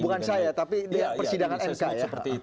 bukan saya tapi persidangan mk